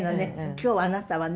今日はあなたはね